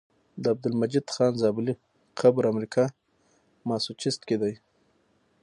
د عبدالمجيد خان زابلي قبر امريکا ماسوچست کي